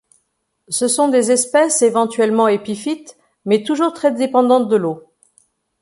Ce sont des espèces, éventuellement épiphytes, mais toujours très dépendantes de l'eau.